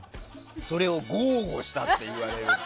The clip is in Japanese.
それを豪語したって言われる。